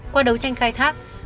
qua đấu tranh khai thác